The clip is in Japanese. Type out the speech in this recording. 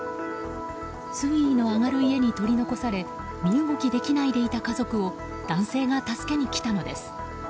水位の上がる家に取り残され身動きできないでいた家族を男性が助けに来たのです。